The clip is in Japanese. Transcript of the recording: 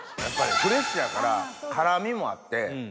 やっぱりフレッシュやから辛味もあって。